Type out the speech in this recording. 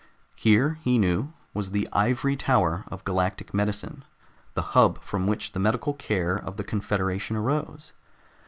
Here, he knew, was the ivory tower of galactic medicine, the hub from which the medical care of the confederation arose.